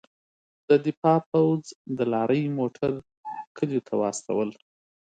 د دفاع پوځ د لارۍ موټر کلیو ته واستول.